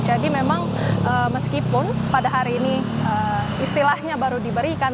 jadi memang meskipun pada hari ini istilahnya baru diberikan